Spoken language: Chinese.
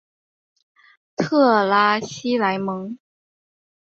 特拉西莱蒙。